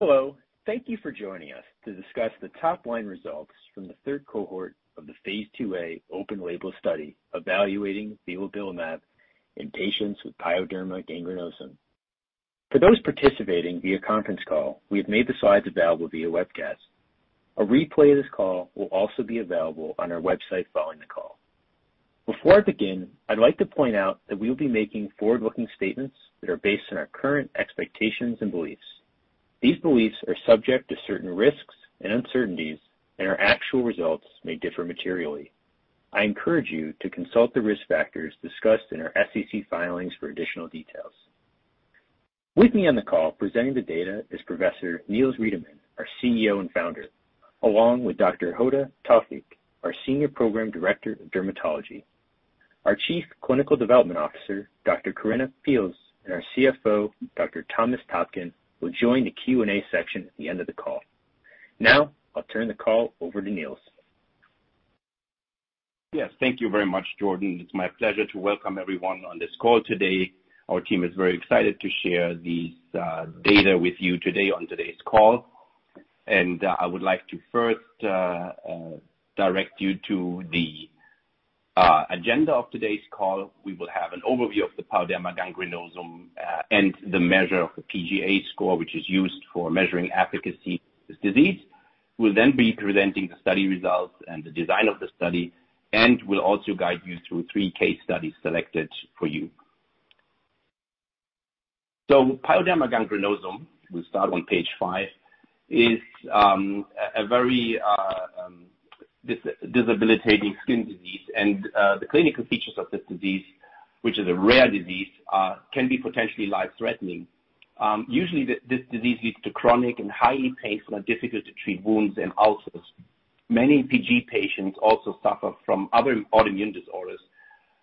Hello. Thank you for joining us to discuss the top-line results from the third cohort of the phase IIa open-label study evaluating vilobelimab in patients with pyoderma gangrenosum. For those participating via conference call, we have made the slides available via webcast. A replay of this call will also be available on our website following the call. Before I begin, I'd like to point out that we will be making forward-looking statements that are based on our current expectations and beliefs. These beliefs are subject to certain risks and uncertainties, and our actual results may differ materially. I encourage you to consult the risk factors discussed in our SEC filings for additional details. With me on the call presenting the data is Professor Niels Riedemann, our CEO and founder, along with Dr. Hoda Tawfik, our Senior Program Director of Dermatology. Our Chief Clinical Development Officer, Dr. Korinna Pilz, and our CFO, Dr. Thomas Taapken, will join the Q&A section at the end of the call. Now I'll turn the call over to Niels. Yes. Thank you very much, Jordan. It's my pleasure to welcome everyone on this call today. Our team is very excited to share these data with you today on today's call. I would like to first direct you to the agenda of today's call. We will have an overview of the pyoderma gangrenosum and the measure of the PGA score, which is used for measuring efficacy of this disease. We'll then be presenting the study results and the design of the study, and we'll also guide you through three case studies selected for you. Pyoderma gangrenosum, we start on page five, is a very debilitating skin disease. The clinical features of this disease, which is a rare disease, can be potentially life-threatening. Usually this disease leads to chronic and highly painful and difficult to treat wounds and ulcers. Many PG patients also suffer from other autoimmune disorders.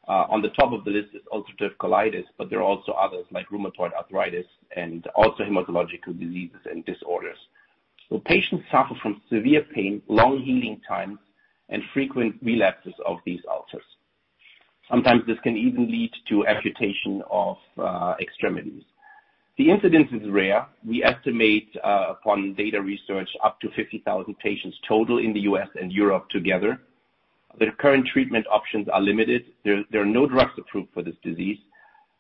On the top of the list is ulcerative colitis, but there are also others like rheumatoid arthritis and also hematological diseases and disorders. Patients suffer from severe pain, long healing times, and frequent relapses of these ulcers. Sometimes this can even lead to amputation of extremities. The incidence is rare. We estimate, upon data research, up to 50,000 patients total in the U.S. and Europe together. The current treatment options are limited. There are no drugs approved for this disease.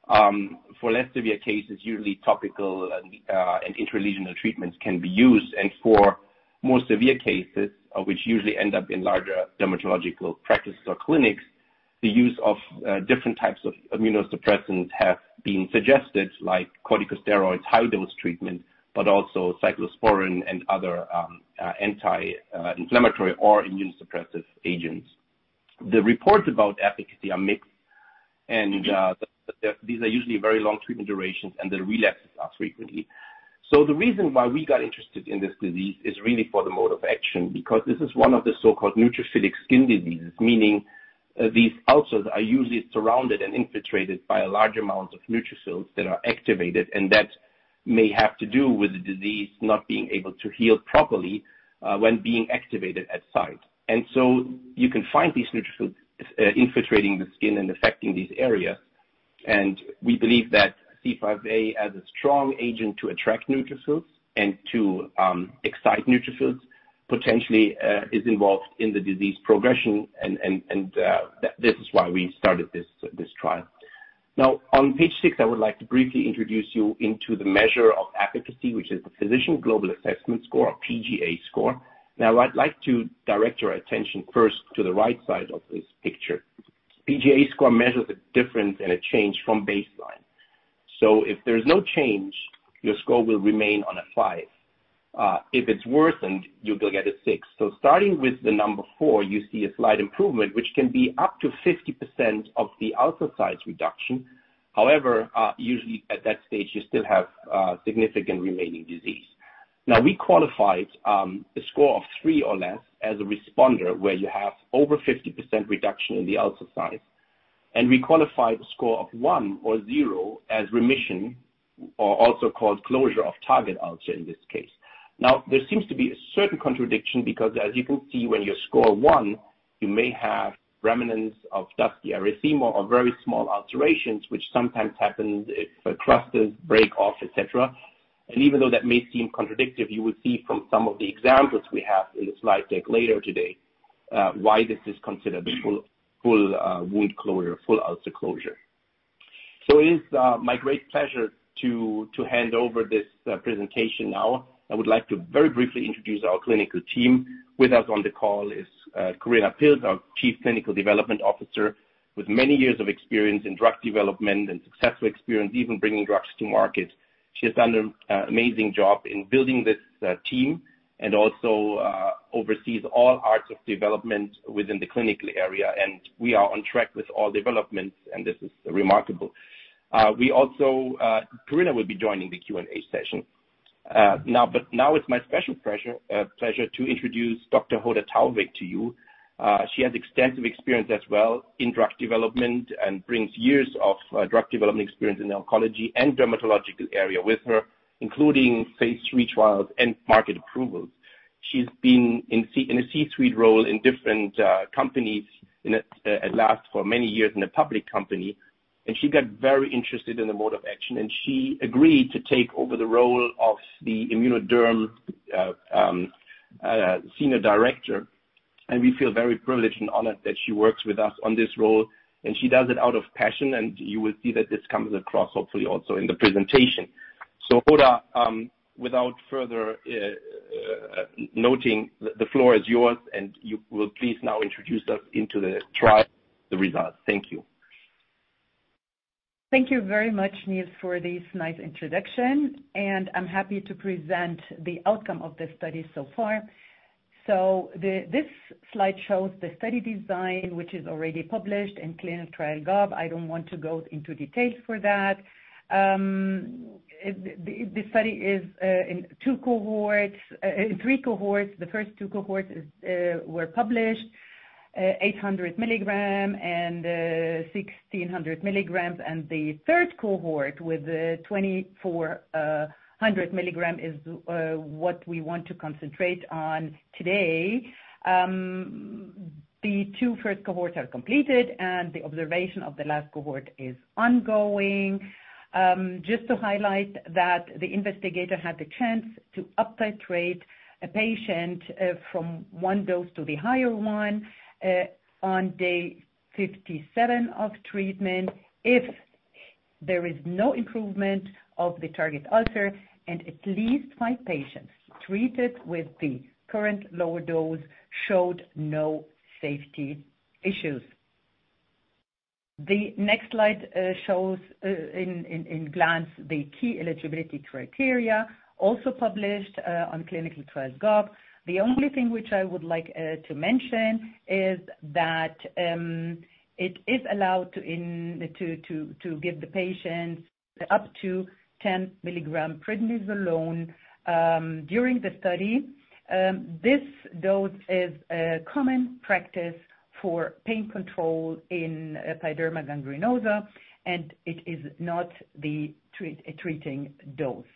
For less severe cases, usually topical and intralesional treatments can be used. For more severe cases, which usually end up in larger dermatological practices or clinics, the use of different types of immunosuppressants have been suggested, like corticosteroids, high-dose treatment, but also cyclosporine and other anti-inflammatory or immunosuppressive agents. The reports about efficacy are mixed, and these are usually very long treatment durations, and the relapses are frequently. The reason why we got interested in this disease is really for the mode of action, because this is one of the so-called neutrophilic skin diseases, meaning these ulcers are usually surrounded and infiltrated by a large amount of neutrophils that are activated, and that may have to do with the disease not being able to heal properly when being activated at site. You can find these neutrophils infiltrating the skin and affecting these areas. We believe that C5a, as a strong agent to attract neutrophils and to excite neutrophils, potentially, is involved in the disease progression and this is why we started this trial. Now, on page six, I would like to briefly introduce you into the measure of efficacy, which is the Physician Global Assessment score, or PGA score. Now I'd like to direct your attention first to the right side of this picture. PGA score measures a difference and a change from baseline. So if there's no change, your score will remain on a 5. If it's worsened, you will get a 6. So starting with the number 4, you see a slight improvement, which can be up to 50% of the ulcer size reduction. However, usually at that stage, you still have significant remaining disease. Now, we qualified a score of 3 or less as a responder, where you have over 50% reduction in the ulcer size. We qualified a score of 1 or 0 as remission or also called closure of target ulcer in this case. Now, there seems to be a certain contradiction because as you can see, when you score 1, you may have remnants of dusky erythema or very small alterations which sometimes happens if the clusters break off, et cetera. Even though that may seem contradictive, you will see from some of the examples we have in the slide deck later today why this is considered the full wound closure, full ulcer closure. It is my great pleasure to hand over this presentation now. I would like to very briefly introduce our clinical team. With us on the call is Korinna Pilz, our Chief Clinical Development Officer with many years of experience in drug development and successful experience even bringing drugs to market. She has done an amazing job in building this team and also oversees all parts of development within the clinical area, and we are on track with all developments, and this is remarkable. Korinna will be joining the Q&A session. Now it's my special pleasure to introduce Dr. Hoda Tawfik to you. She has extensive experience as well in drug development and brings years of drug development experience in oncology and dermatological area with her, including phase III trials and market approvals. She's been in a C-suite role in different companies, at last for many years in a public company. She got very interested in the mode of action, and she agreed to take over the role of the Immunoderm Senior Director. We feel very privileged and honored that she works with us on this role, and she does it out of passion, and you will see that this comes across, hopefully also in the presentation. Hoda, without further noting, the floor is yours, and you will please now introduce us into the trial, the results. Thank you. Thank you very much, Niels, for this nice introduction, and I'm happy to present the outcome of the study so far. This slide shows the study design, which is already published in ClinicalTrials.gov. I don't want to go into details for that. This study is in two cohorts, three cohorts. The first two cohorts were published, 800 mg and 1600 mg. The third cohort with the 2400 mg is what we want to concentrate on today. The two first cohorts are completed and the observation of the last cohort is ongoing. Just to highlight that the investigator had the chance to uptitrate a patient from one dose to the higher one on day 57 of treatment if there is no improvement of the target ulcer, and at least five patients treated with the current lower dose showed no safety issues. The next slide shows at a glance the key eligibility criteria also published on ClinicalTrials.gov. The only thing which I would like to mention is that it is allowed to give the patients up to 10 mg prednisolone during the study. This dose is a common practice for pain control in pyoderma gangrenosum, and it is not the treating dose.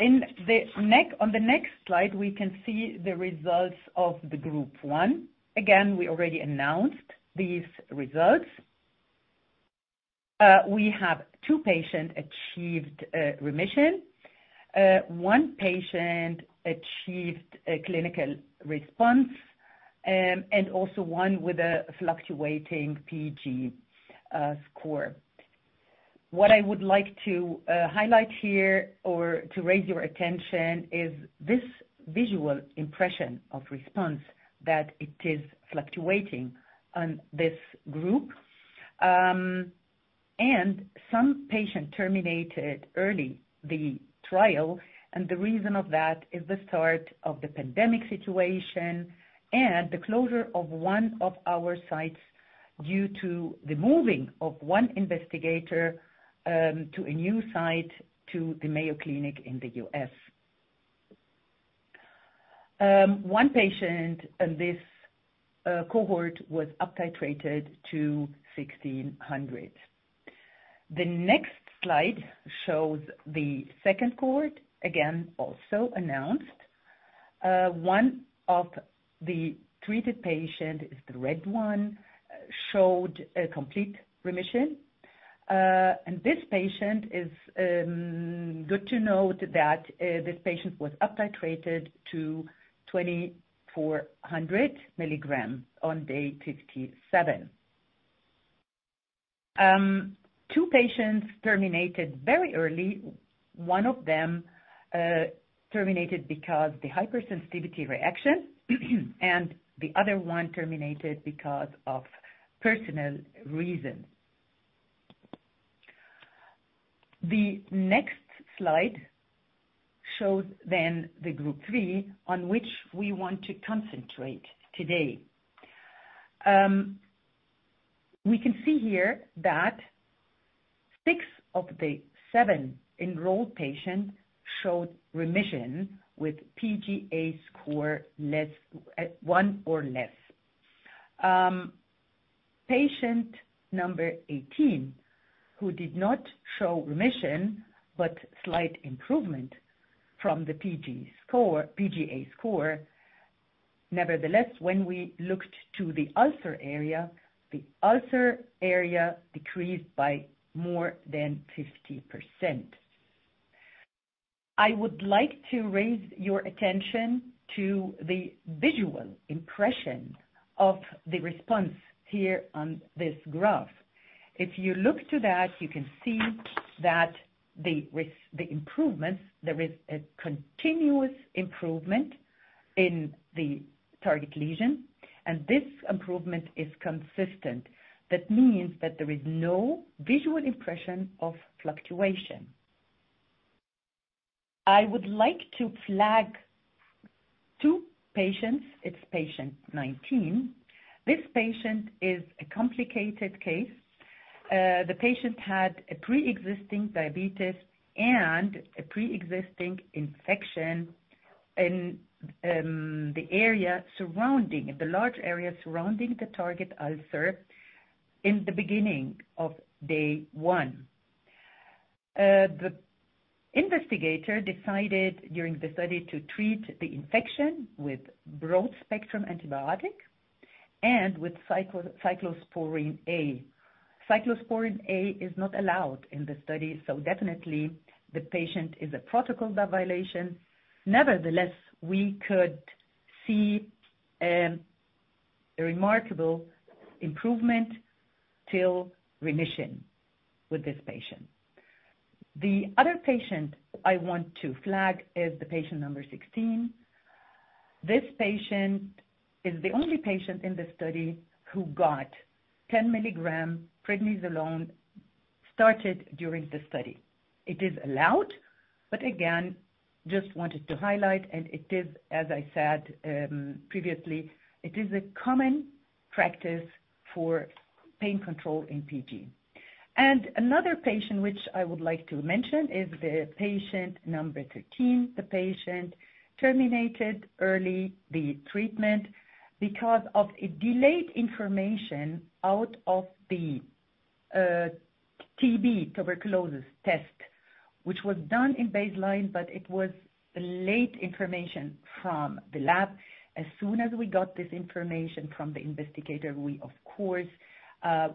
On the next slide, we can see the results of the group one. Again, we already announced these results. We have two patients achieved remission. One patient achieved a clinical response, and also one with a fluctuating PG score. What I would like to highlight here or to raise your attention is this visual impression of response that it is fluctuating on this group. Some patients terminated early the trial, and the reason of that is the start of the pandemic situation and the closure of one of our sites due to the moving of one investigator to a new site to the Mayo Clinic in the U.S. One patient in this cohort was uptitrated to 1600. The next slide shows the second cohort, again, also announced. One of the treated patients, the red one, showed a complete remission. This patient is good to note that this patient was uptitrated to 2400 mg on day 57. Two patients terminated very early. One of them terminated because of the hypersensitivity reaction, and the other one terminated because of personal reasons. The next slide shows group 3 on which we want to concentrate today. We can see here that 6 of the 7 enrolled patients showed remission with PGA score of 1 or less. Patient number 18, who did not show remission, but slight improvement from the PGA score. Nevertheless, when we looked to the ulcer area, the ulcer area decreased by more than 50%. I would like to raise your attention to the visual impression of the response here on this graph. If you look to that, you can see that the improvements, there is a continuous improvement in the target lesion, and this improvement is consistent. That means that there is no visual impression of fluctuation. I would like to flag two patients. It's patient 19. This patient is a complicated case. The patient had a pre-existing diabetes and a pre-existing infection in the area surrounding, the large area surrounding the target ulcer in the beginning of day one. The investigator decided during the study to treat the infection with broad-spectrum antibiotic and with cyclosporine A. Cyclosporine A is not allowed in the study, so definitely the patient is a protocol violation. Nevertheless, we could see a remarkable improvement till remission with this patient. The other patient I want to flag is the patient number 16. This patient is the only patient in the study who got 10 mg prednisolone started during the study. It is allowed, but again, just wanted to highlight, and it is, as I said, previously, it is a common practice for pain control in PG. Another patient which I would like to mention is the patient number 13. The patient terminated early the treatment because of a delayed information out of the TB, tuberculosis test, which was done in baseline, but it was delayed information from the lab. As soon as we got this information from the investigator, we of course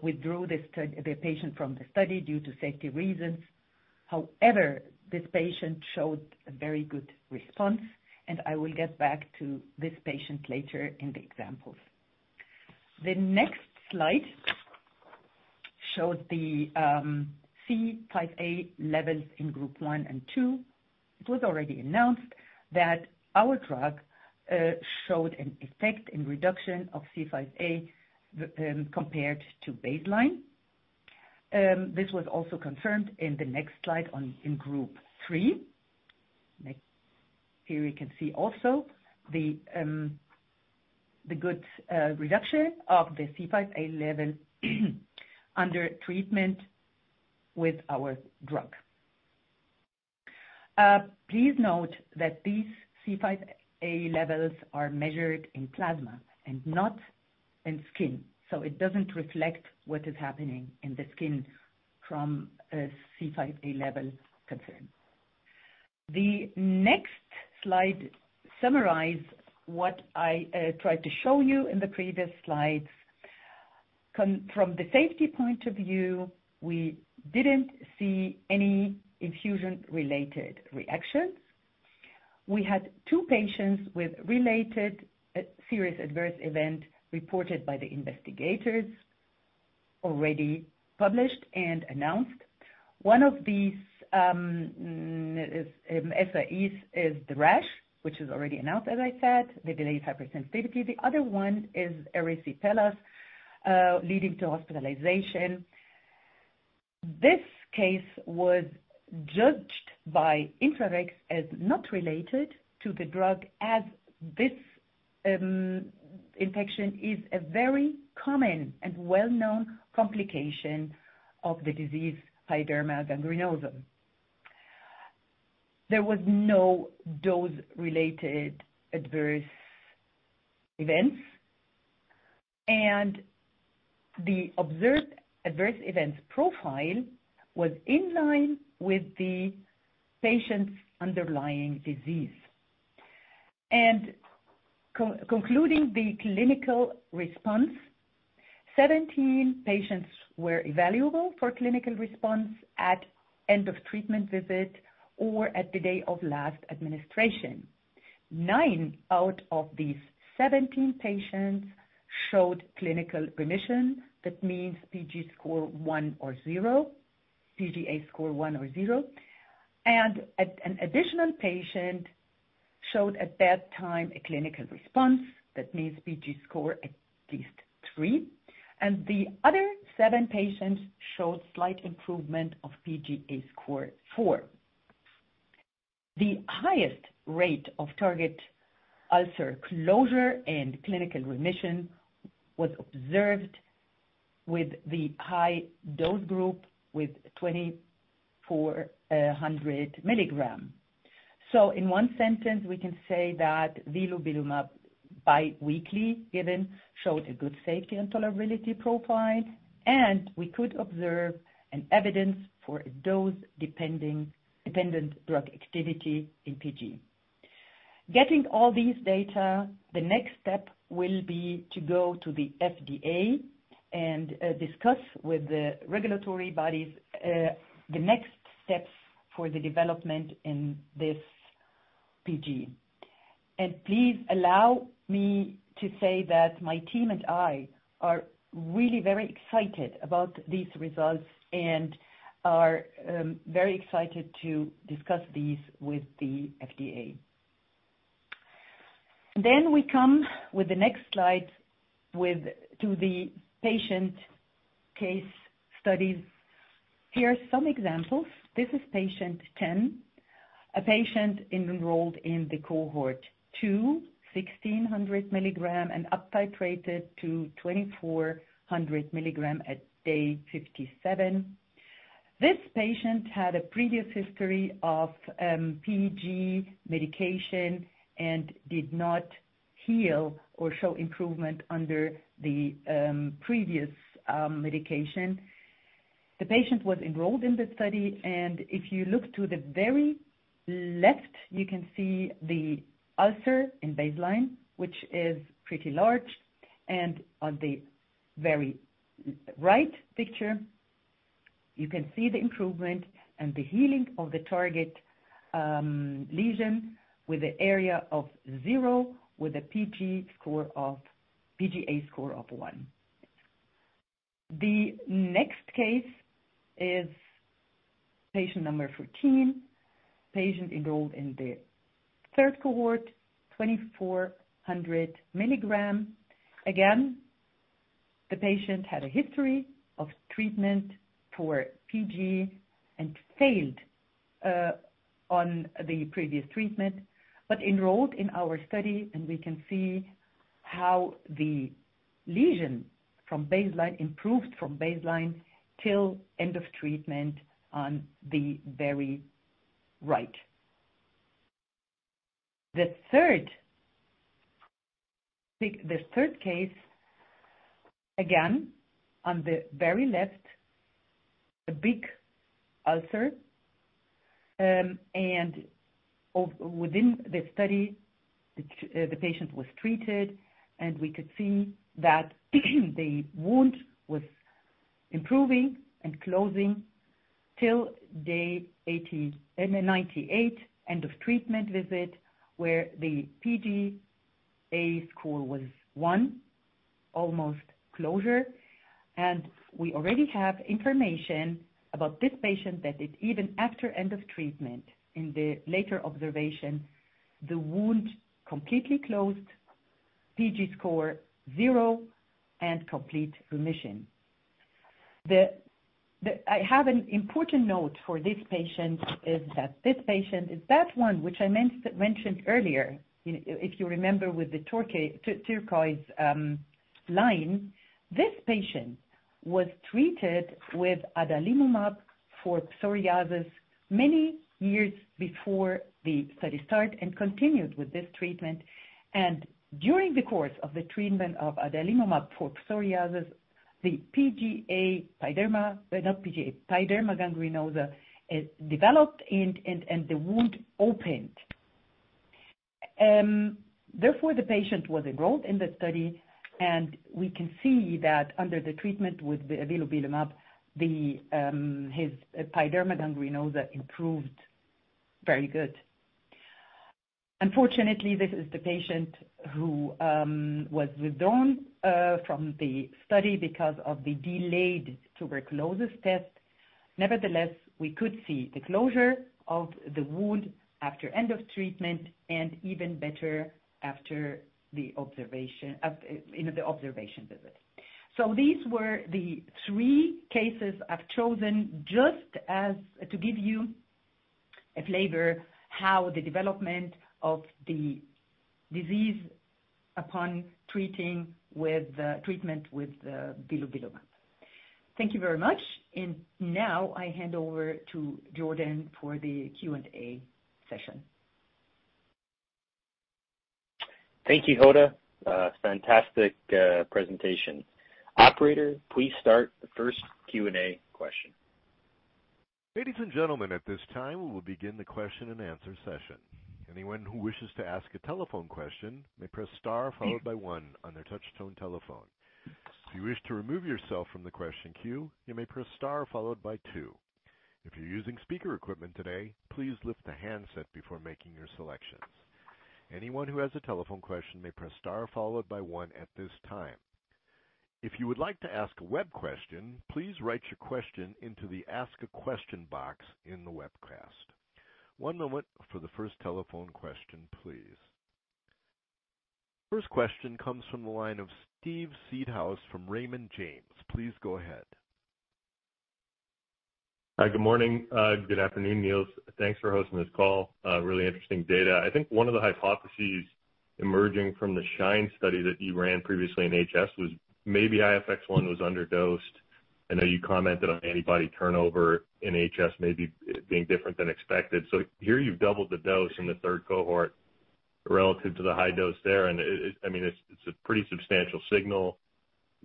withdrew the patient from the study due to safety reasons. However, this patient showed a very good response, and I will get back to this patient later in the examples. The next slide shows the C5a levels in group 1 and 2. It was already announced that our drug showed an effect in reduction of C5a, compared to baseline. This was also confirmed in the next slide on, in group 3. Next. Here we can see also the good reduction of the C5a level under treatment with our drug. Please note that these C5a levels are measured in plasma and not in skin, so it doesn't reflect what is happening in the skin from a C5a level concern. The next slide summarize what I tried to show you in the previous slides. From the safety point of view, we didn't see any infusion-related reactions. We had two patients with related serious adverse event reported by the investigators, already published and announced. One of these is SAEs, the rash, which is already announced, as I said, the delayed hypersensitivity. The other one is erysipelas, leading to hospitalization. This case was judged by InflaRx as not related to the drug as this infection is a very common and well-known complication of the disease, pyoderma gangrenosum. There was no dose-related adverse events, and the observed adverse events profile was in line with the patient's underlying disease. Concluding the clinical response, 17 patients were evaluable for clinical response at end of treatment visit or at the day of last administration. 9 out of these 17 patients showed clinical remission. That means PG score 1 or 0, PGA score 1 or 0. An additional patient showed at that time a clinical response. That means PG score at least 3. The other seven patients showed slight improvement of PGA score 4. The highest rate of target ulcer closure and clinical remission was observed with the high-dose group with 2,400 mg. In one sentence, we can say that vilobelimab bi-weekly given showed a good safety and tolerability profile, and we could observe evidence for a dose-dependent drug activity in PG. Getting all these data, the next step will be to go to the FDA and discuss with the regulatory bodies the next steps for the development in this PG. Please allow me to say that my team and I are really very excited about these results and are very excited to discuss these with the FDA. We come with the next slide to the patient case studies. Here are some examples. This is patient 10, a patient enrolled in the cohort 2, 1600 mg and uptitrated to 2400 mg at day 57. This patient had a previous history of PG medication and did not heal or show improvement under the previous medication. The patient was enrolled in the study, and if you look to the very left, you can see the ulcer in baseline, which is pretty large. On the very right picture, you can see the improvement and the healing of the target lesion with the area of zero with a PGA score of 1. The next case is patient number 14. Patient enrolled in the third cohort, 2400 mg. The patient had a history of treatment for PG and failed on the previous treatment, but enrolled in our study, and we can see how the lesion from baseline improved from baseline till end of treatment on the very right. The third case, again, on the very left, a big ulcer. Within the study the patient was treated, and we could see that the wound was improving and closing till day 80, 98, end of treatment visit, where the PGA score was 1, almost closure. We already have information about this patient that is even after end of treatment in the later observation, the wound completely closed, PG score 0, and complete remission. I have an important note for this patient, is that this patient is that one which I mentioned earlier, you know, if you remember, with the turquoise line. This patient was treated with adalimumab for psoriasis many years before the study start and continued with this treatment. During the course of the treatment of adalimumab for psoriasis, the PG pyoderma, not PGA, pyoderma gangrenosum developed and the wound opened. Therefore, the patient was enrolled in the study, and we can see that under the treatment with the vilobelimab, his pyoderma gangrenosum improved very good. Unfortunately, this is the patient who was withdrawn from the study because of the delayed tuberculosis test. Nevertheless, we could see the closure of the wound after end of treatment and even better after the observation, you know, the observation visit. These were the three cases I've chosen just to give you a flavor of how the development of the disease upon treatment with vilobelimab. Thank you very much. Now I hand over to Jordan for the Q&A session. Thank you, Hoda. Fantastic presentation. Operator, please start the first Q&A question. Ladies and gentlemen, at this time, we will begin the question and answer session. Anyone who wishes to ask a telephone question may press star followed by one on their touch tone telephone. If you wish to remove yourself from the question queue, you may press star followed by two. If you're using speaker equipment today, please lift the handset before making your selections. Anyone who has a telephone question may press star followed by one at this time. If you would like to ask a web question, please write your question into the ask a question box in the webcast. One moment for the first telephone question, please. First question comes from the line of Steven Seedhouse from Raymond James. Please go ahead. Hi. Good morning. Good afternoon, Niels. Thanks for hosting this call. Really interesting data. I think one of the hypotheses emerging from the SHINE study that you ran previously in HS was maybe IFX-1 was underdosed. I know you commented on antibody turnover in HS maybe being different than expected. Here you've doubled the dose in the third cohort relative to the high dose there and it, I mean, it's a pretty substantial signal.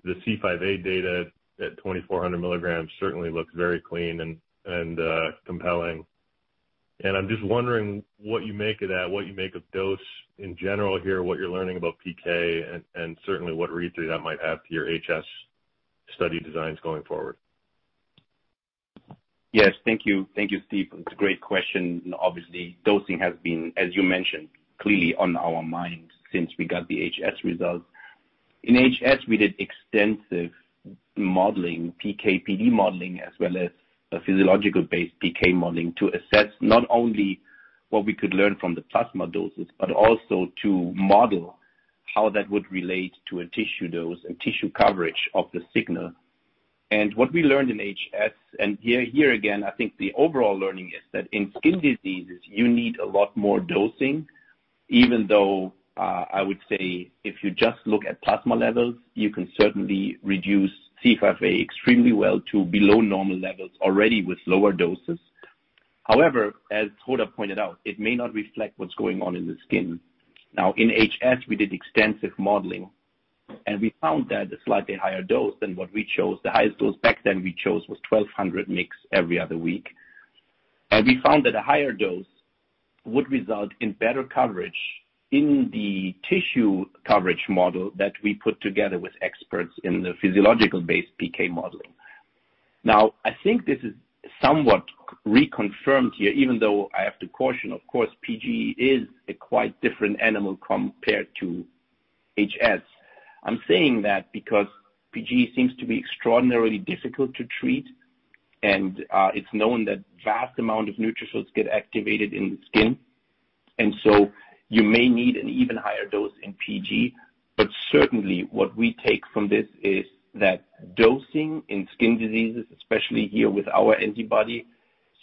The C5a data at 2400 mg certainly looks very clean and compelling. I'm just wondering what you make of that, what you make of dose in general here, what you're learning about PK and certainly what readthrough that might have to your HS study designs going forward. Yes. Thank you. Thank you, Steve. It's a great question. Obviously, dosing has been, as you mentioned, clearly on our minds since we got the HS results. In HS, we did extensive modeling, PK/PD modeling, as well as a physiologically-based PK modeling to assess not only what we could learn from the plasma doses, but also to model how that would relate to a tissue dose and tissue coverage of the signal. What we learned in HS, and here again, I think the overall learning is that in skin diseases, you need a lot more dosing, even though I would say if you just look at plasma levels, you can certainly reduce C5a extremely well to below normal levels already with lower doses. However, as Hoda pointed out, it may not reflect what's going on in the skin. Now, in HS, we did extensive modeling, and we found that a slightly higher dose than what we chose, the highest dose back then we chose was 1200 mg every other week. We found that a higher dose would result in better coverage in the tissue coverage model that we put together with experts in the physiologically-based PK modeling. Now, I think this is somewhat reconfirmed here, even though I have to caution, of course, PG is a quite different animal compared to HS. I'm saying that because PG seems to be extraordinarily difficult to treat and it's known that vast amount of neutrophils get activated in the skin, and so you may need an even higher dose in PG. Certainly, what we take from this is that dosing in skin diseases, especially here with our antibody,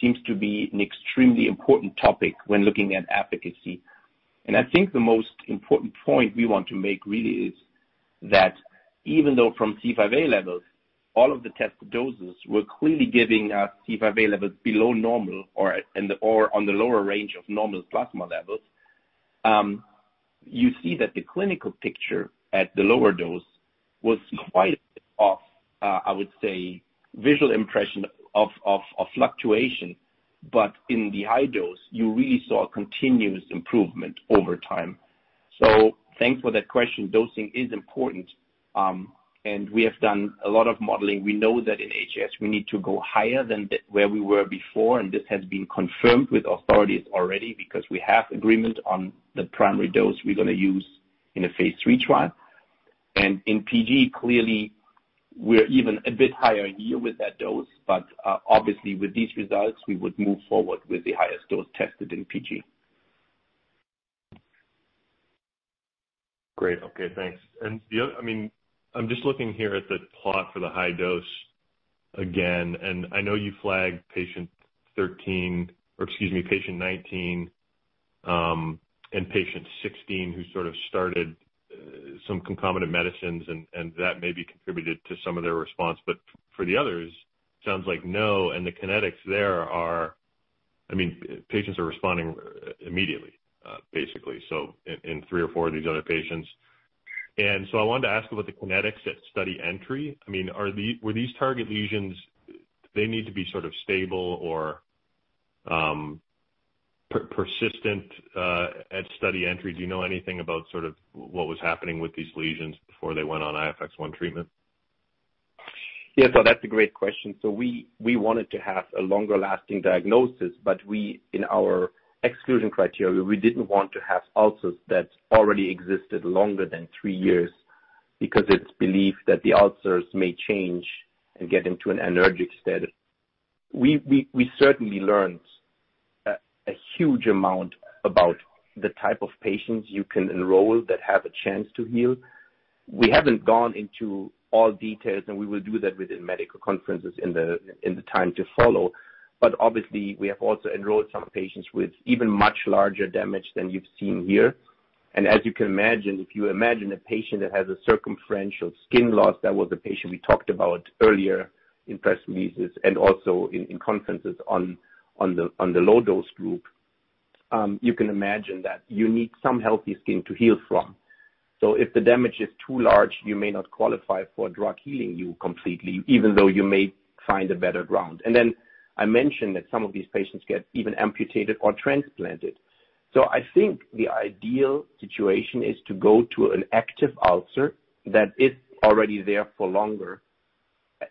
seems to be an extremely important topic when looking at efficacy. I think the most important point we want to make really is that even though from C5a levels, all of the test doses were clearly giving C5a levels below normal or on the lower range of normal plasma levels, you see that the clinical picture at the lower dose was quite off. I would say visual impression of fluctuation, but in the high dose, you really saw continuous improvement over time. Thanks for that question. Dosing is important, and we have done a lot of modeling. We know that in HS, we need to go higher than where we were before, and this has been confirmed with authorities already because we have agreement on the primary dose we're gonna use in a phase III trial. In PG, clearly, we're even a bit higher here with that dose, but obviously with these results, we would move forward with the highest dose tested in PG. Great. Okay, thanks. I mean, I'm just looking here at the plot for the high dose again, and I know you flagged patient 13—or excuse me, patient 19, and patient 16, who sort of started some concomitant medicines and that maybe contributed to some of their response. For the others, sounds like no, and the kinetics there are. I mean, patients are responding immediately, basically, so in three or four of these other patients. I wanted to ask about the kinetics at study entry. I mean, were these target lesions they need to be sort of stable or persistent at study entry. Do you know anything about sort of what was happening with these lesions before they went on IFX-1 treatment? Yeah. That's a great question. We wanted to have a longer lasting diagnosis, but we, in our exclusion criteria, we didn't want to have ulcers that already existed longer than three years because it's believed that the ulcers may change and get into an anergic state. We certainly learned a huge amount about the type of patients you can enroll that have a chance to heal. We haven't gone into all details, and we will do that within medical conferences in the time to follow. Obviously, we have also enrolled some patients with even much larger damage than you've seen here. As you can imagine, if you imagine a patient that has a circumferential skin loss, that was a patient we talked about earlier in press releases and also in conferences on the low-dose group. You can imagine that you need some healthy skin to heal from. If the damage is too large, you may not qualify for the drug to heal you completely, even though you may find a better ground. I mentioned that some of these patients get even amputated or transplanted. I think the ideal situation is to go to an active ulcer that is already there for longer.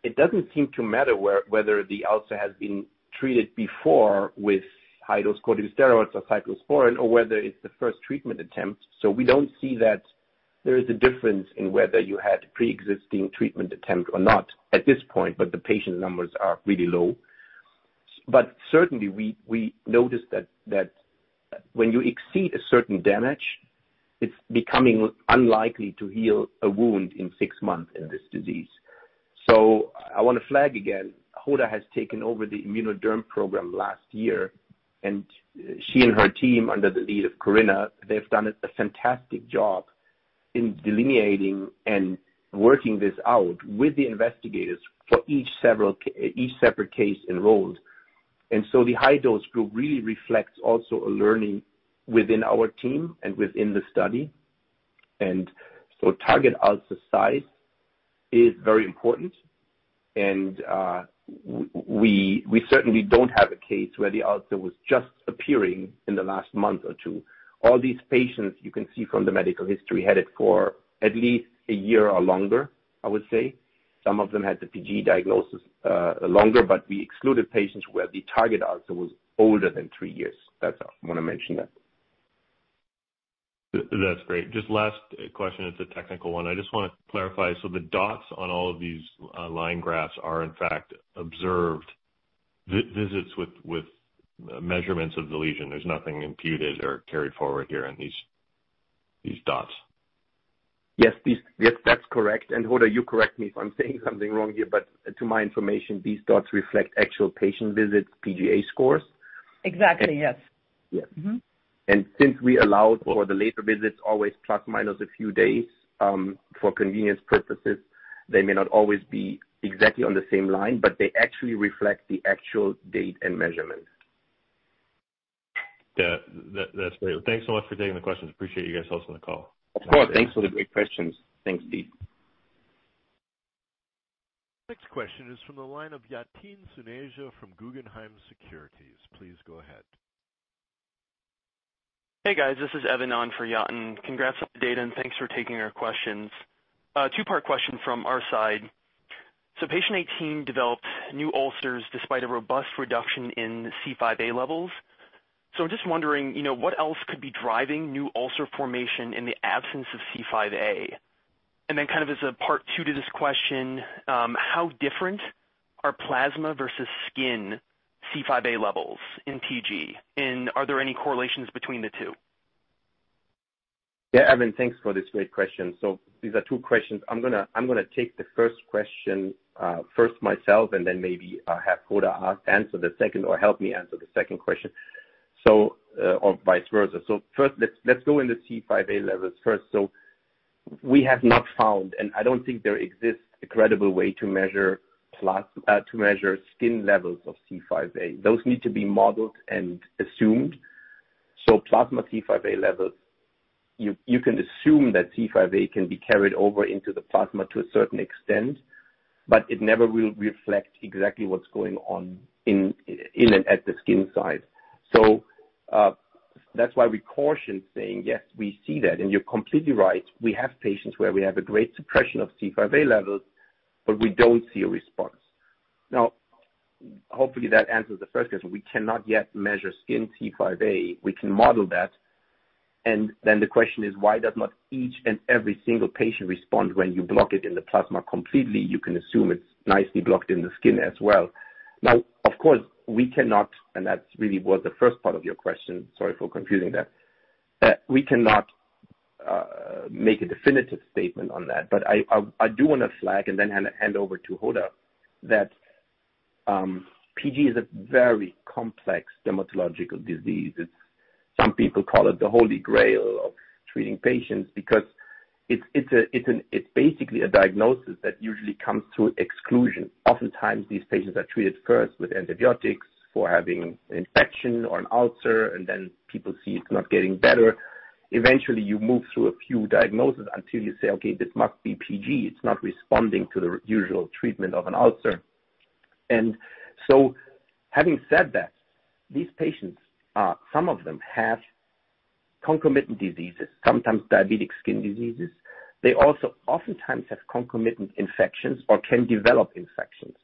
It doesn't seem to matter whether the ulcer has been treated before with high-dose corticosteroids or cyclosporine or whether it's the first treatment attempt. We don't see that there is a difference in whether you had pre-existing treatment attempt or not at this point, but the patient numbers are really low. Certainly, we noticed that when you exceed a certain damage, it's becoming unlikely to heal a wound in six months in this disease. I wanna flag again, Hoda has taken over the Immunoderm program last year, and she and her team under the lead of Korinna, they've done a fantastic job in delineating and working this out with the investigators for each separate case enrolled. The high-dose group really reflects also a learning within our team and within the study. Target ulcer size is very important. We certainly don't have a case where the ulcer was just appearing in the last month or two. All these patients, you can see from the medical history, had it for at least a year or longer, I would say. Some of them had the PG diagnosis longer, but we excluded patients where the target ulcer was older than three years. That's all. I wanna mention that. That's great. Just last question, it's a technical one. I just wanna clarify. The dots on all of these line graphs are in fact observed visits with measurements of the lesion. There's nothing imputed or carried forward here in these dots? Yes, that's correct. Hoda, you correct me if I'm saying something wrong here, but to my information, these dots reflect actual patient visits, PGA scores. Exactly, yes. Yes. Since we allowed for the later visits, always plus minus a few days, for convenience purposes, they may not always be exactly on the same line, but they actually reflect the actual date and measurement. Yeah. That's great. Thanks so much for taking the questions. Appreciate you guys hosting the call. Of course. Thanks for the great questions. Thanks, Pete. Next question is from the line of Yatin Suneja from Guggenheim Securities. Please go ahead. Hey, guys. This is Evan on for Yatin. Congrats on the data, and thanks for taking our questions. Two-part question from our side. Patient 18 developed new ulcers despite a robust reduction in C5a levels. I'm just wondering, you know, what else could be driving new ulcer formation in the absence of C5a? And then kind of as a part two to this question, how different are plasma versus skin C5a levels in PG? And are there any correlations between the two? Evan, thanks for this great question. These are two questions. I'm gonna take the first question first myself, and then maybe have Hoda answer the second or help me answer the second question. Or vice versa. First, let's go in the C5a levels first. We have not found, and I don't think there exists a credible way to measure skin levels of C5a. Those need to be modeled and assumed. Plasma C5a levels, you can assume that C5a can be carried over into the plasma to a certain extent, but it never will reflect exactly what's going on in and at the skin site. That's why we caution saying, yes, we see that, and you're completely right. We have patients where we have a great suppression of C5a levels, but we don't see a response. Now, hopefully that answers the first question. We cannot yet measure skin C5a. We can model that. The question is, why does not each and every single patient respond when you block it in the plasma completely. You can assume it's nicely blocked in the skin as well. Now, of course, we cannot, and that really was the first part of your question, sorry for confusing that. We cannot make a definitive statement on that. I do wanna flag and then hand over to Hoda that PG is a very complex dermatological disease. Some people call it the holy grail of treating patients because it's basically a diagnosis that usually comes through exclusion. Oftentimes, these patients are treated first with antibiotics for having an infection or an ulcer, and then people see it's not getting better. Eventually, you move through a few diagnoses until you say, "Okay, this must be PG. It's not responding to the usual treatment of an ulcer." Having said that, these patients are, some of them have concomitant diseases, sometimes diabetic skin diseases. They also oftentimes have concomitant infections or can develop infections.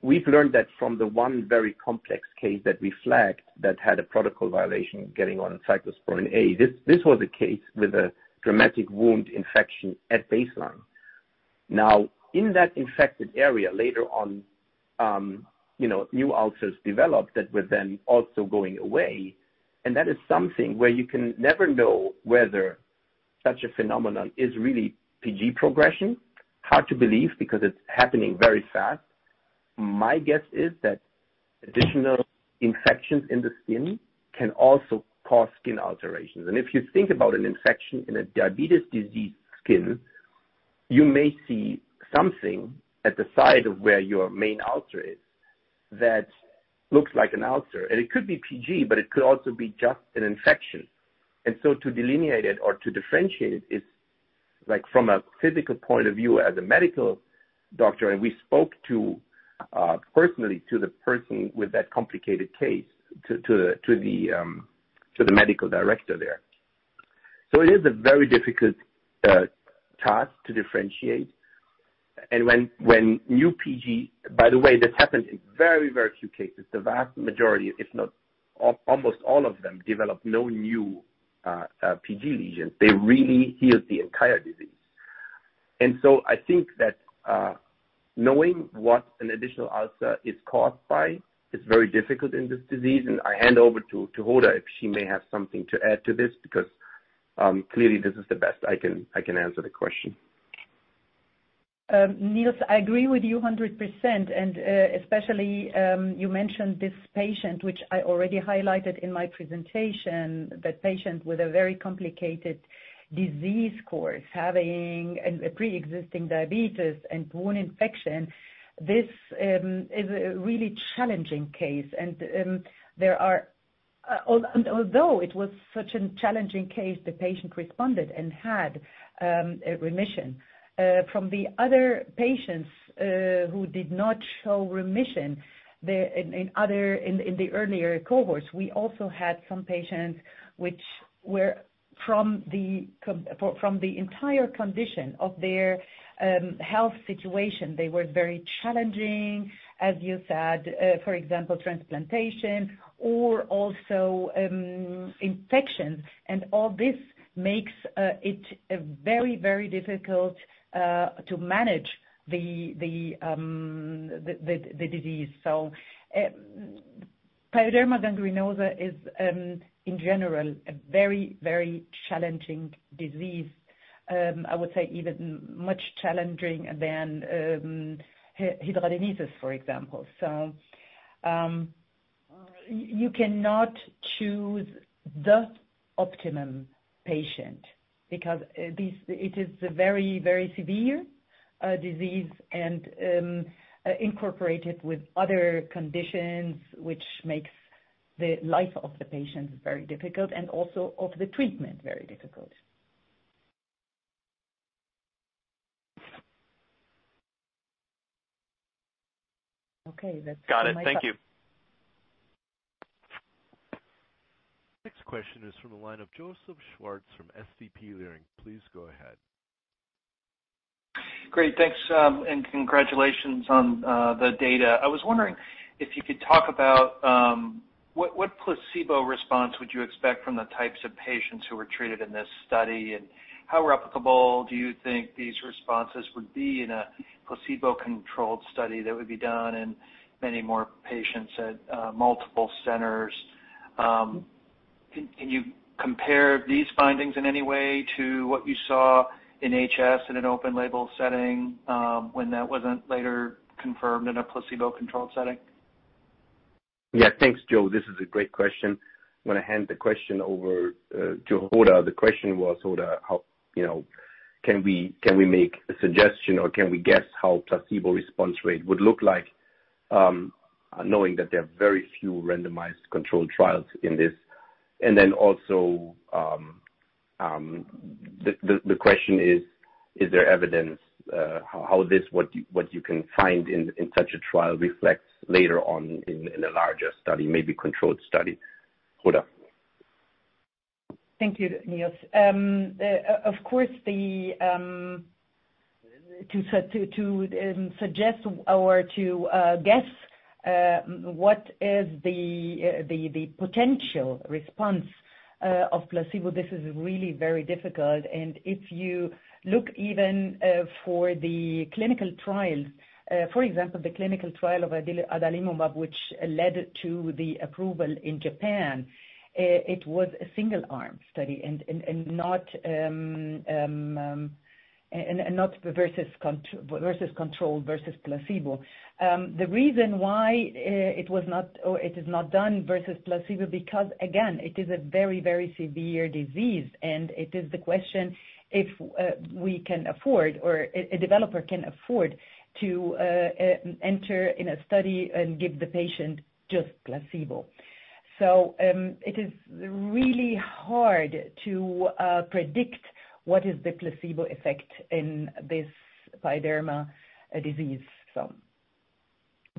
We've learned that from the one very complex case that we flagged that had a protocol violation getting on cyclosporine A. This was a case with a dramatic wound infection at baseline. Now, in that infected area, later on, you know, new ulcers developed that were then also going away. That is something where you can never know whether such a phenomenon is really PG progression. Hard to believe because it's happening very fast. My guess is that additional infections in the skin can also cause skin alterations. If you think about an infection in diabetic skin, you may see something at the site of where your main ulcer is that looks like an ulcer, and it could be PG, but it could also be just an infection. To delineate it or to differentiate it is like from a physical point of view as a medical doctor, and we spoke personally to the person with that complicated case, to the medical director there. It is a very difficult task to differentiate. When new PG. By the way, this happens in very few cases. The vast majority, if not almost all of them, develop no new PG lesions. They really heal the entire disease. I think that knowing what an additional ulcer is caused by is very difficult in this disease. I hand over to Hoda if she may have something to add to this because clearly this is the best I can answer the question. Niels, I agree with you 100%, and especially you mentioned this patient, which I already highlighted in my presentation, the patient with a very complicated disease course, having a pre-existing diabetes and wound infection. This is a really challenging case. Although it was such a challenging case, the patient responded and had a remission. From the other patients who did not show remission, in the earlier cohorts, we also had some patients which were from the entire condition of their health situation. They were very challenging, as you said, for example, transplantation or also infections. All this makes it a very, very difficult to manage the disease. Pyoderma gangrenosum is, in general, a very, very challenging disease. I would say even more challenging than hidradenitis, for example. You cannot choose the optimum patient because it is a very, very severe disease and associated with other conditions which makes the life of the patient very difficult and also of the treatment very difficult. Okay, that's my time. Got it. Thank you. Next question is from the line of Joseph Schwartz from Leerink Partners. Please go ahead. Great, thanks. Congratulations on the data. I was wondering if you could talk about what placebo response would you expect from the types of patients who were treated in this study? How replicable do you think these responses would be in a placebo-controlled study that would be done in many more patients at multiple centers? Can you compare these findings in any way to what you saw in HS in an open label setting, when that wasn't later confirmed in a placebo-controlled setting? Yeah. Thanks, Joseph. This is a great question. I'm gonna hand the question over to Hoda. The question was, Hoda, how, you know, can we make a suggestion or can we guess how placebo response rate would look like, knowing that there are very few randomized controlled trials in this? And then also, the question is there evidence how this what you can find in such a trial reflects later on in a larger study, maybe controlled study? Hoda. Thank you, Niels. Of course, to suggest or to guess what is the potential response of placebo, this is really very difficult. If you look even for the clinical trials, for example, the clinical trial of adalimumab, which led to the approval in Japan, it was a single-arm study and not versus control versus placebo. The reason why it was not or it is not done versus placebo, because again, it is a very severe disease, and it is the question if we can afford or a developer can afford to enter in a study and give the patient just placebo. It is really hard to predict what is the placebo effect in this pyoderma disease.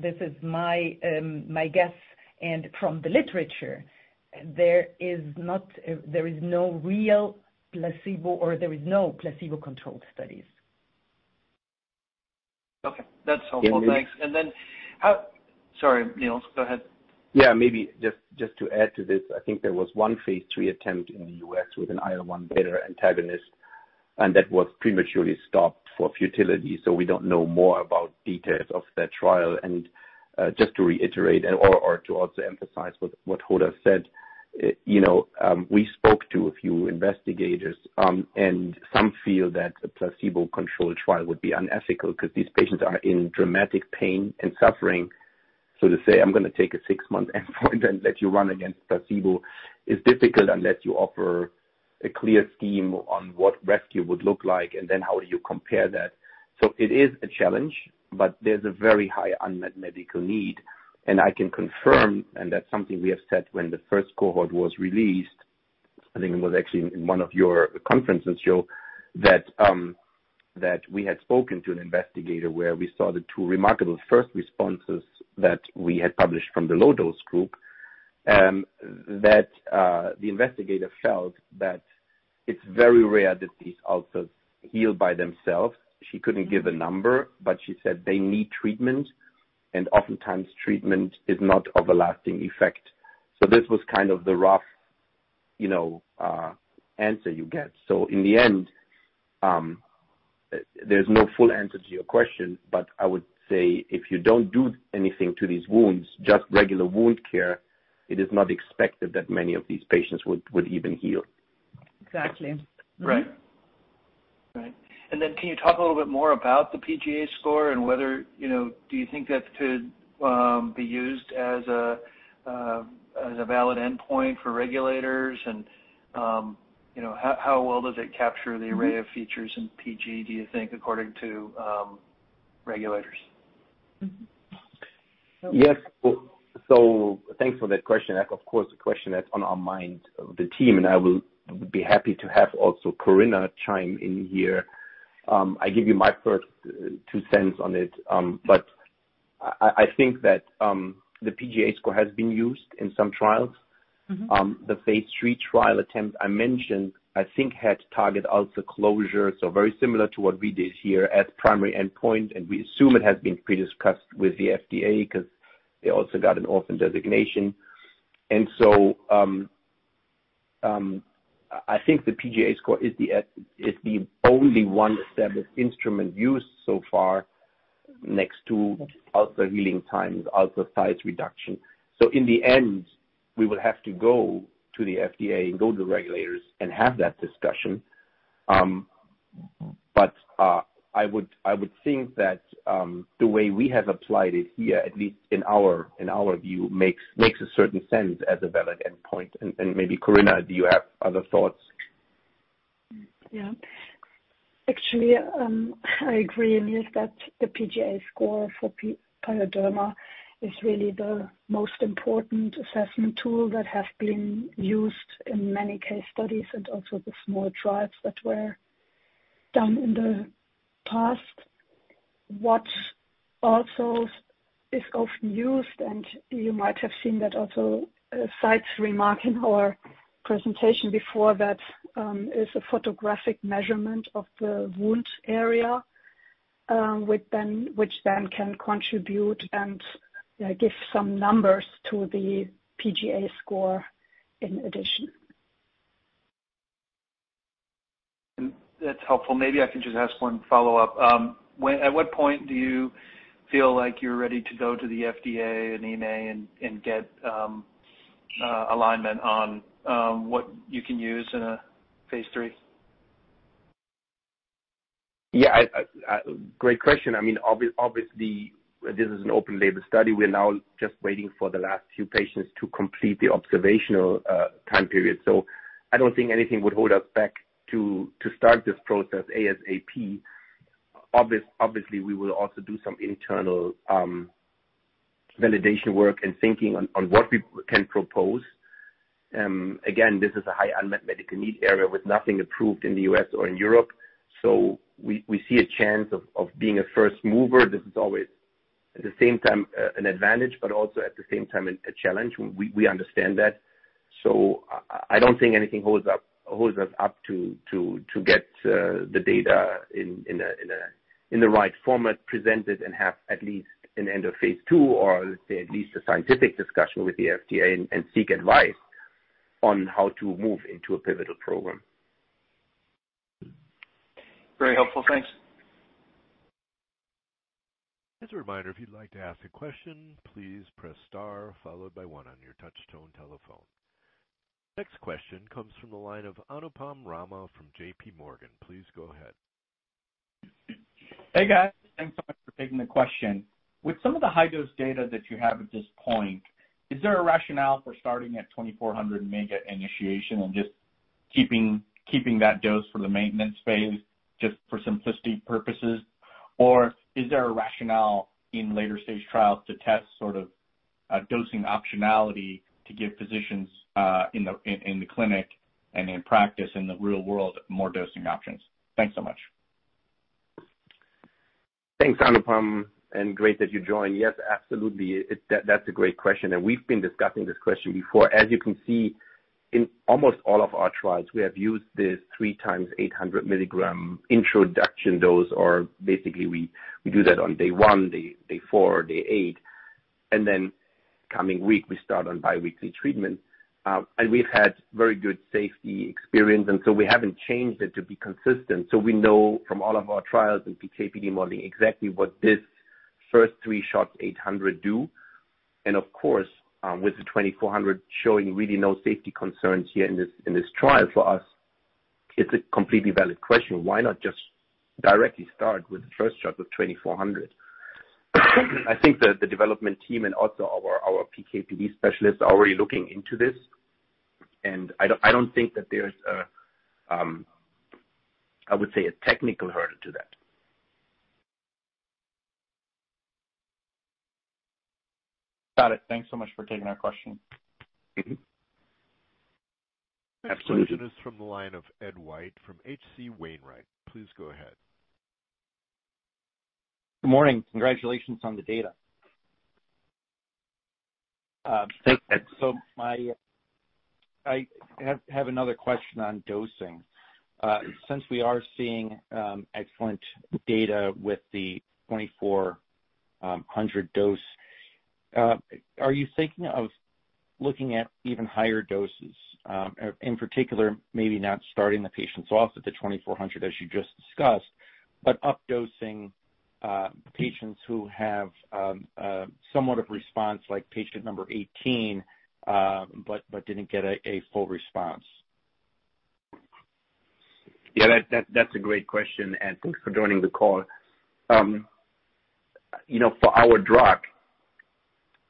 This is my guess. From the literature, there is no real placebo or there is no placebo-controlled studies. Okay. That's helpful. Thanks. And then? We- Sorry, Niels. Go ahead. Yeah, maybe just to add to this, I think there was one phase III attempt in the U.S. with an IL-1β antagonist, and that was prematurely stopped for futility, so we don't know more about details of that trial. Just to reiterate or to also emphasize what Hoda said, you know, we spoke to a few investigators, and some feel that a placebo-controlled trial would be unethical because these patients are in dramatic pain and suffering. To say, "I'm gonna take a six-month endpoint and let you run against placebo," is difficult unless you offer a clear scheme on what rescue would look like and then how do you compare that. It is a challenge, but there's a very high unmet medical need. I can confirm, and that's something we have said when the first cohort was released. I think it was actually in one of your conferences, Joseph, that we had spoken to an investigator where we saw the two remarkable first responses that we had published from the low-dose group, that the investigator felt that it's very rare that these ulcers heal by themselves. She couldn't give a number, but she said they need treatment, and oftentimes treatment is not of a lasting effect. This was kind of the rough, you know, answer you get. In the end, there's no full answer to your question, but I would say if you don't do anything to these wounds, just regular wound care, it is not expected that many of these patients would even heal. Exactly. Right. Can you talk a little bit more about the PGA score and whether, you know, do you think that could be used as a valid endpoint for regulators? You know, how well does it capture the array of features in PG, do you think, according to regulators? Yes. Thanks for that question. That's of course a question that's on our mind, the team, and I will be happy to have also Korinna chime in here. I give you my first two cents on it. But I think that the PGA score has been used in some trials. The phase III trial attempt I mentioned, I think had target ulcer closure, so very similar to what we did here as primary endpoint, and we assume it has been pre-discussed with the FDA 'cause they also got an orphan designation. I think the PGA score is the only one established instrument used so far, next to ulcer healing times, ulcer size reduction. In the end, we will have to go to the FDA and go to the regulators and have that discussion. I would think that the way we have applied it here, at least in our view, makes a certain sense as a valid endpoint. Maybe Korinna, do you have other thoughts? Yeah. Actually, I agree, Niels, that the PGA score for pyoderma is really the most important assessment tool that has been used in many case studies and also the small trials that were done in the past. What also is often used, and you might have seen that also, it's remarked in our presentation before that, is a photographic measurement of the wound area, which then can contribute and give some numbers to the PGA score in addition. That's helpful. Maybe I can just ask one follow-up. At what point do you feel like you're ready to go to the FDA and EMA and get alignment on what you can use in a phase III? Yeah. Great question. I mean, obviously, this is an open label study. We're now just waiting for the last few patients to complete the observational time period. I don't think anything would hold us back to start this process ASAP. Obviously, we will also do some internal validation work and thinking on what we can propose. Again, this is a high unmet medical need area with nothing approved in the U.S. or in Europe. We see a chance of being a first mover. This is always, at the same time, an advantage, but also at the same time a challenge. We understand that. I don't think anything holds us up to get the data in the right format, present it, and have at least an end-of-phase II or at least a scientific discussion with the FDA and seek advice on how to move into a pivotal program. Very helpful. Thanks. Next question comes from the line of Anupam Rama from J.P. Morgan. Please go ahead. Hey, guys. Thanks so much for taking the question. With some of the high-dose data that you have at this point, is there a rationale for starting at 2400 mg initiation and just keeping that dose for the maintenance phase just for simplicity purposes? Or is there a rationale in later stage trials to test sort of dosing optionality to give physicians in the clinic and in practice in the real world more dosing options? Thanks so much. Thanks, Anupam, and great that you joined. Yes, absolutely. That's a great question, and we've been discussing this question before. As you can see, in almost all of our trials, we have used this three times 800 mg introduction dose or basically we do that on day one, day four, day eight, and then coming week, we start on biweekly treatment. We've had very good safety experience, and so we haven't changed it to be consistent. We know from all of our trials and PK/PD modeling exactly what this first three shots, 800 do. Of course, with the 2,400 showing really no safety concerns here in this trial for us, it's a completely valid question. Why not just directly start with the first shot of 2,400? I think the development team and also our PK/PD specialists are already looking into this, and I don't think that there's a, I would say, a technical hurdle to that. Got it. Thanks so much for taking our question. Absolutely. Next question is from the line of Edward White from H.C. Wainwright. Please go ahead. Good morning. Congratulations on the data. Thanks, Edward. I have another question on dosing. Since we are seeing excellent data with the 2400 dose, are you thinking of looking at even higher doses, in particular, maybe not starting the patients off at the 2400 as you just discussed, but up dosing patients who have somewhat of response like patient number 18, but didn't get a full response? Yeah, that's a great question, Edward. Thanks for joining the call. You know, for our drug,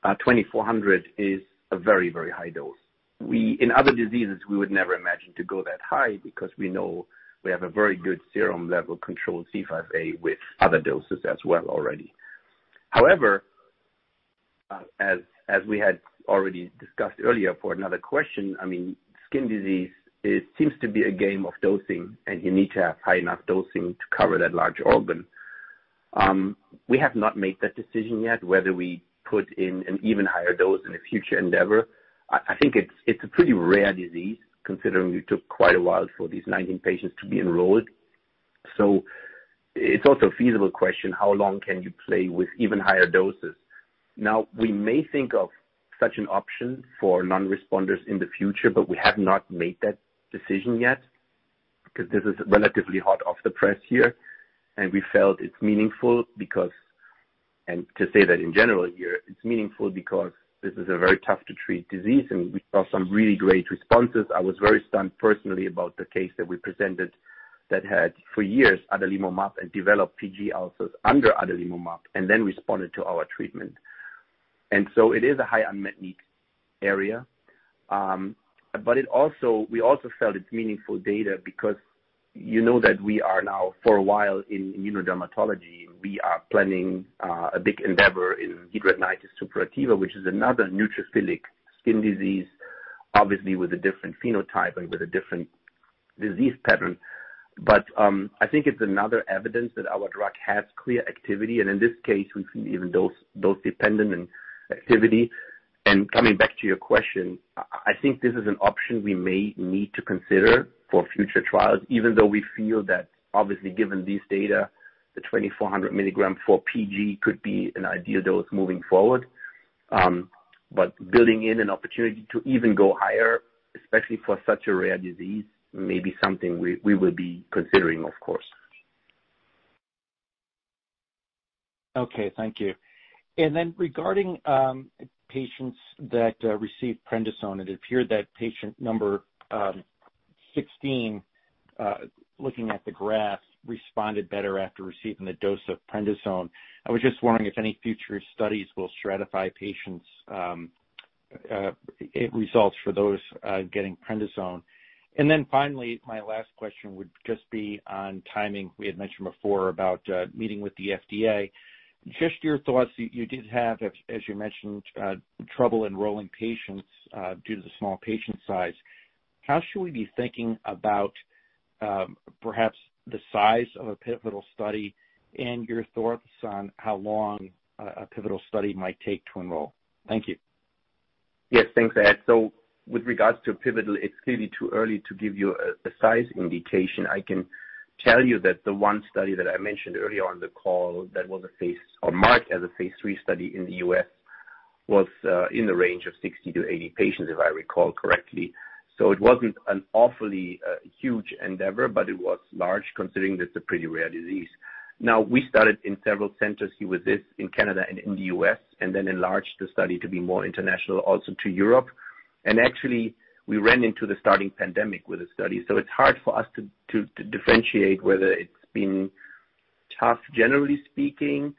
2400 is a very, very high dose. We in other diseases would never imagine to go that high because we know we have a very good serum level controlled C5a with other doses as well already. However, as we had already discussed earlier for another question, I mean, skin disease, it seems to be a game of dosing, and you need to have high enough dosing to cover that large organ. We have not made that decision yet, whether we put in an even higher dose in a future endeavor. I think it's a pretty rare disease considering it took quite a while for these 19 patients to be enrolled. It's also a feasible question, how long can you play with even higher doses? Now, we may think of such an option for non-responders in the future, but we have not made that decision yet. Because this is relatively hot off the press here, and we felt it's meaningful because, and to say that in general here, it's meaningful because this is a very tough to treat disease, and we saw some really great responses. I was very stunned personally about the case that we presented that had for years adalimumab and developed PG ulcers under adalimumab and then responded to our treatment. It is a high unmet need area. We also felt it's meaningful data because you know that we are now for a while in immunodermatology. We are planning a big endeavor in hidradenitis suppurativa, which is another neutrophilic skin disease, obviously with a different phenotype and with a different disease pattern. I think it's another evidence that our drug has clear activity, and in this case we've seen even dose-dependent activity. Coming back to your question, I think this is an option we may need to consider for future trials, even though we feel that obviously given these data, the 2400 mg for PG could be an ideal dose moving forward. Building in an opportunity to even go higher, especially for such a rare disease, may be something we will be considering, of course. Okay, thank you. Regarding patients that received prednisolone, it appeared that patient number 16, looking at the graph, responded better after receiving the dose of prednisolone. I was just wondering if any future studies will stratify patients results for those getting prednisolone. Finally, my last question would just be on timing. We had mentioned before about meeting with the FDA. Just your thoughts. You did have, as you mentioned, trouble enrolling patients due to the small patient size. How should we be thinking about perhaps the size of a pivotal study and your thoughts on how long a pivotal study might take to enroll? Thank you. Yes, thanks, Edward. With regards to pivotal, it's clearly too early to give you a size indication. I can tell you that the one study that I mentioned earlier on the call that was a phase II or marked as a phase III study in the U.S. was in the range of 60-80 patients, if I recall correctly. It wasn't an awfully huge endeavor, but it was large considering that's a pretty rare disease. Now, we started in several centers here within Canada and in the U.S., and then enlarged the study to be more international also to Europe. Actually we ran into the start of the pandemic with the study, so it's hard for us to differentiate whether it's been tough generally speaking.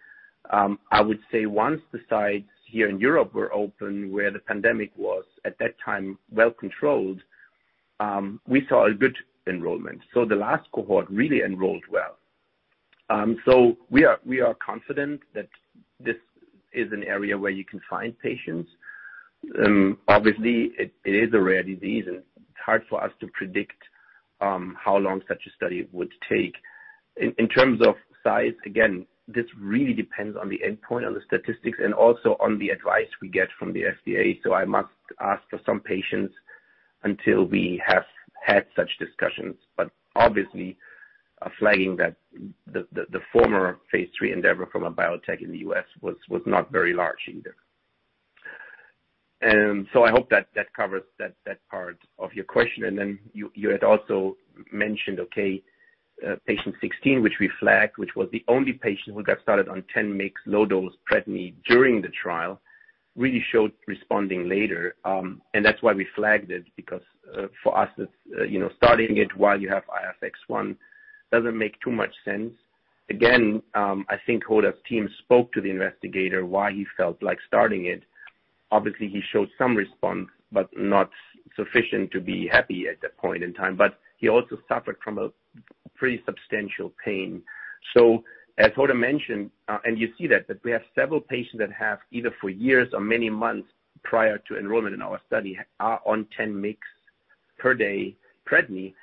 I would say once the sites here in Europe were open, where the pandemic was at that time well controlled, we saw a good enrollment, the last cohort really enrolled well. We are confident that this is an area where you can find patients. Obviously it is a rare disease and it's hard for us to predict how long such a study would take. In terms of size, again, this really depends on the endpoint, on the statistics and also on the advice we get from the FDA. I must ask for some patience until we have had such discussions. Obviously, flagging that the former phase III endeavor from a biotech in the U.S. was not very large either. I hope that covers that part of your question. Then you had also mentioned, okay, patient 16, which we flagged, which was the only patient who got started on 10 mg low dose prednisolone during the trial, really showed responding later. That's why we flagged it because, for us it's, you know, starting it while you have IFX-1 doesn't make too much sense. Again, I think Hoda's team spoke to the investigator why he felt like starting it. Obviously, he showed some response but not sufficient to be happy at that point in time, but he also suffered from a pretty substantial pain. As Hoda mentioned, and you see that we have several patients that have either for years or many months prior to enrollment in our study are on 10 mg per day prednisolone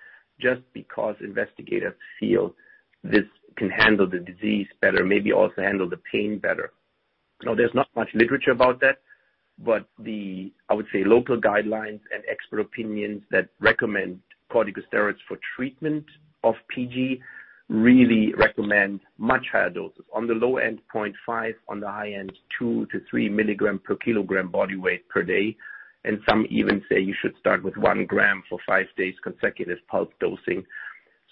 just because investigators feel this can handle the disease better, maybe also handle the pain better. Now, there's not much literature about that, but I would say local guidelines and expert opinions that recommend corticosteroids for treatment of PG really recommend much higher doses. On the low end, 0.5, on the high end, 2-3 mg/kg body weight per day. Some even say you should start with 1 g for five days consecutive pulse dosing.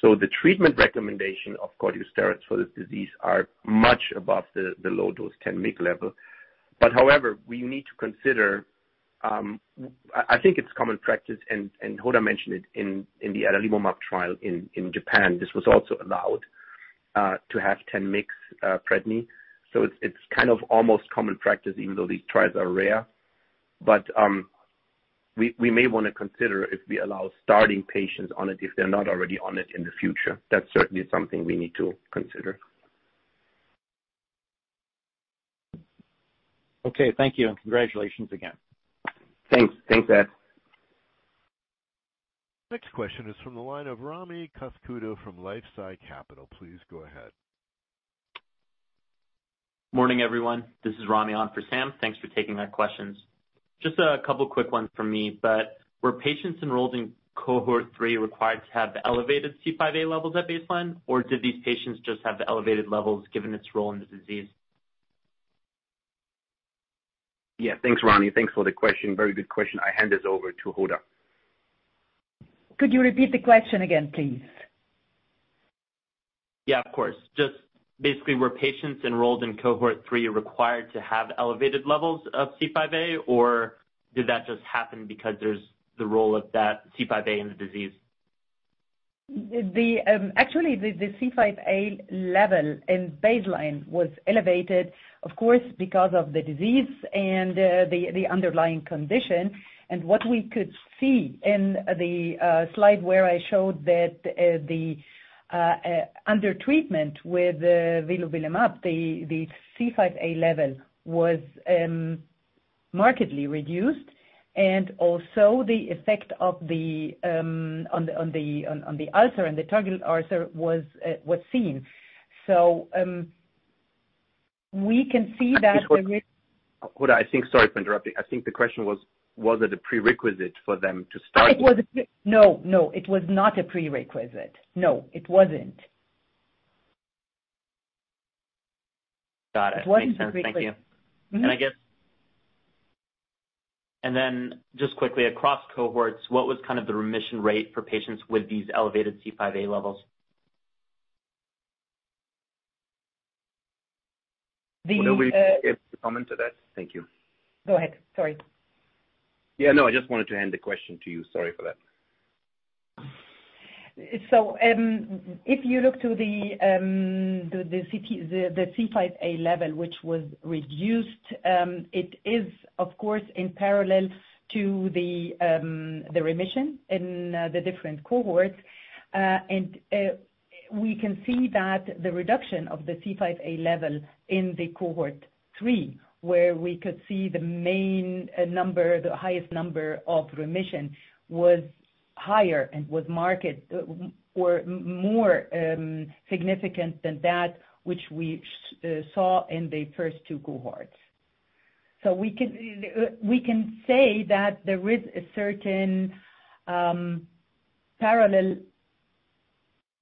The treatment recommendation of corticosteroids for this disease are much above the low-dose 10 mg level. However, we need to consider. I think it's common practice, and Hoda mentioned it in the adalimumab trial in Japan. This was also allowed to have 10 mg prednisolone. So it's kind of almost common practice even though these trials are rare. We may wanna consider if we allow starting patients on it if they're not already on it in the future. That's certainly something we need to consider. Okay, thank you. Congratulations again. Thanks. Thanks, Edward. Next question is from the line of Rami Katkhuda from LifeSci Capital. Please go ahead. Morning, everyone. This is Rami on for Sam. Thanks for taking our questions. Just a couple quick ones from me. Were patients enrolled in cohort three required to have the elevated C5a levels at baseline, or did these patients just have the elevated levels given its role in the disease? Yeah. Thanks, Rami. Thanks for the question. Very good question. I hand this over to Hoda. Could you repeat the question again, please? Yeah, of course. Just basically, were patients enrolled in cohort three required to have elevated levels of C5a? Did that just happen because there's the role of that C5a in the disease? Actually, the C5a level in baseline was elevated, of course, because of the disease and the underlying condition. What we could see in the slide where I showed that under treatment with vilobelimab, the C5a level was markedly reduced and also the effect on the ulcer and the target ulcer was seen. We can see that the re- Hoda, I think. Sorry for interrupting. I think the question was it a prerequisite for them to start with? No, no. It was not a prerequisite. No, it wasn't. Got it. It wasn't a prerequisite. Makes sense. Thank you. Just quickly, across cohorts, what was kind of the remission rate for patients with these elevated C5a levels? Hoda, will you be able to comment to that? Thank you. Go ahead. Sorry. Yeah, no. I just wanted to hand the question to you. Sorry for that. If you look to the C5a level which was reduced, it is of course in parallel to the remission in the different cohorts. We can see that the reduction of the C5a level in cohort 3, where we could see the highest number of remission, was higher and was more significant than that which we saw in the first 2 cohorts. We can say that there is a certain parallel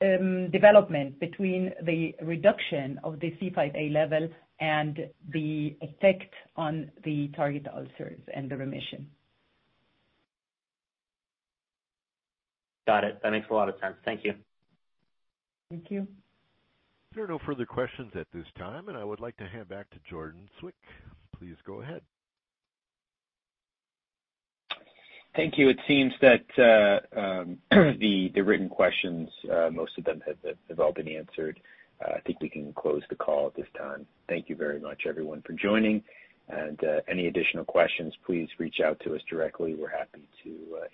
development between the reduction of the C5a level and the effect on the target ulcers and the remission. Got it. That makes a lot of sense. Thank you. Thank you. There are no further questions at this time, and I would like to hand back to Jordan Zwick. Please go ahead. Thank you. It seems that the written questions most of them have all been answered. I think we can close the call at this time. Thank you very much everyone for joining, and any additional questions, please reach out to us directly. We're happy to